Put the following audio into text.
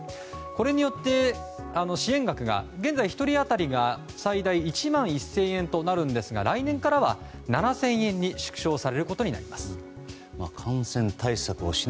これによって支援額が現在１人当たり最大１万８０００円分となるんですが来年からは７０００円に縮小されることになるということです。